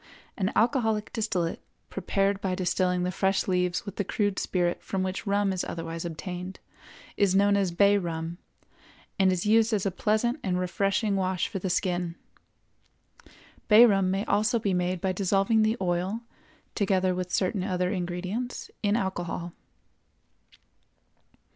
An alcoholic distillate, prepared by distilling the fresh leaves with the crude spirit from which rum is otherwise obtained, is known as bay rum, and is used as a pleasant and refreshing wash for the skin. Bay rum may also be made by dissolving the oil, together with certain other ingredients, in alcohol.